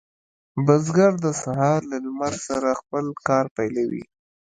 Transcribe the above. بزګر د سهار له لمر سره خپل کار پیلوي.